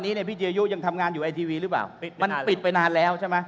นี่เนี่ยคุณฮิมจะควบคุมน